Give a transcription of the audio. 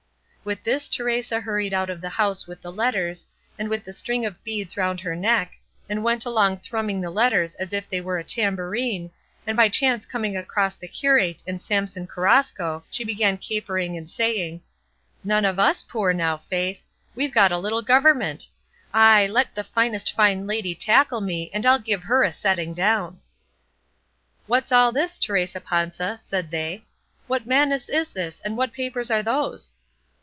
With this Teresa hurried out of the house with the letters, and with the string of beads round her neck, and went along thrumming the letters as if they were a tambourine, and by chance coming across the curate and Samson Carrasco she began capering and saying, "None of us poor now, faith! We've got a little government! Ay, let the finest fine lady tackle me, and I'll give her a setting down!" "What's all this, Teresa Panza," said they; "what madness is this, and what papers are those?"